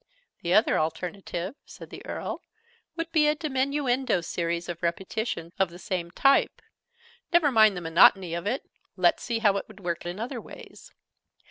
"The other alternative," said the Earl, "would be a diminuendo series of repetitions of the same type. Never mind the monotony of it: let's see how it would work in other ways.